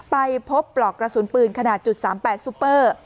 ไปพบปลอกกระสุนปืนขนาด๓๘ซุปเปอร์